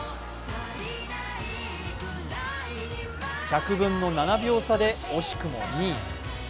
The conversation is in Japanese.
１００分の７秒差で惜しくも２位。